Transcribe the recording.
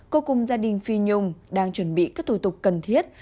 cô cùng gia đình phi nhung đang chuẩn bị các thủ tục cần thiết